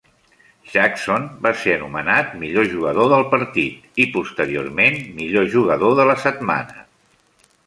Jackson va ser nomenat millor jugador del partit i posteriorment millor jugador de la setmana.